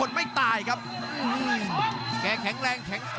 รับทราบบรรดาศักดิ์